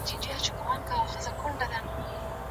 انسان د ټولو کایناتو مشر ټاکل سوی و.